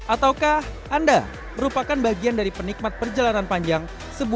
ataukah anda merupakan bagian dari penikmat perjalanan motor ini